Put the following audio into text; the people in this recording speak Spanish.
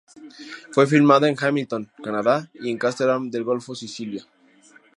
Fue filmada en Hamilton, Canadá y en Castellammare del Golfo, Sicilia.